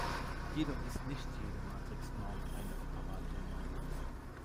Jedoch ist nicht jede Matrixnorm eine Operatornorm.